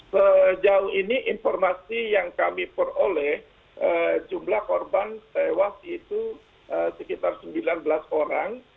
sejauh ini informasi yang kami peroleh jumlah korban tewas itu sekitar sembilan belas orang